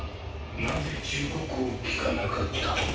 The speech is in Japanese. なぜ忠告を聞かなかった。